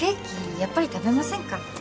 やっぱり食べませんか？